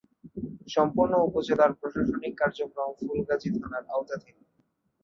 সম্পূর্ণ উপজেলার প্রশাসনিক কার্যক্রম ফুলগাজী থানার আওতাধীন।